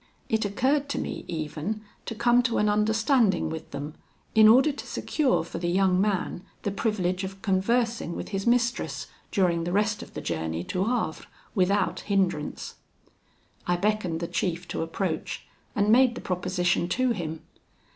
It occurred to me, even, to come to an understanding with them, in order to secure for the young man the privilege of conversing with his mistress, during the rest of the journey to Havre, without hindrance. I beckoned the chief to approach, and made the proposition to him.